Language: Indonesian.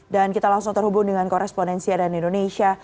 dan kita langsung terhubung dengan koresponensi adan indonesia